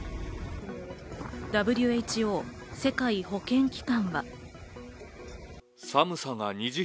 ＷＨＯ＝世界保健機関は。